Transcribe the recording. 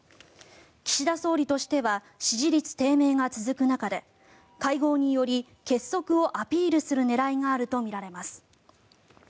岸田総理としては支持率低迷が続く中で会合により、結束をアピールする狙いがあるとみられます。